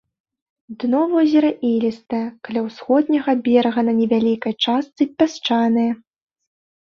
Дно возера ілістае, каля ўсходняга берага на невялікай частцы пясчанае.